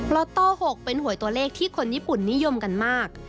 ล็อตโต้๖เป็นหวยตัวเลขที่คนญี่ปุ่นนิยมกันมาก